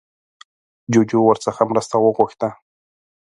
جوجو ورڅخه مرسته وغوښته